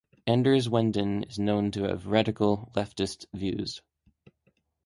Anders Wendin is known to have radical leftist views.